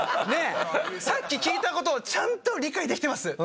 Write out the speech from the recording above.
さっき聞いた事をちゃんと理解できてます。